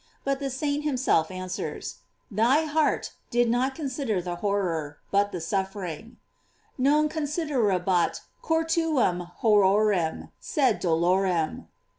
f But the saint himself answers: Thy heart did not consider the horror, but the suffering: "Non considerabat cor tuum horrorem, sed dolorem."